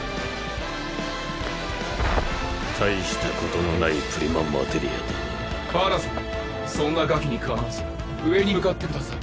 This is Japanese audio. たいしたことのないプリママテリアだがパラさんそんなガキにかまわず上に向かってください